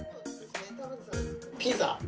・ピザ！